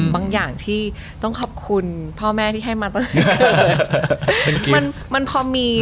บางอย่างที่ต้องขอบคุณพ่อแม่ที่ให้มาตั้งแต่เกิน